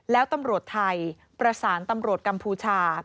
แล้วตำรวจไทยประสานตำรวจกัมพูชา